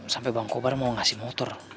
sampai bang kobar mau ngasih motor